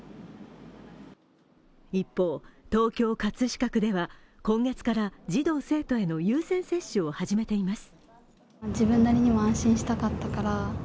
一方、東京・葛飾区では今月から児童生徒への優先接種を始めています。